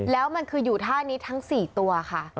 แล้วมันคืออยู่ท่านี้ทั้ง๔ตัวค่ะ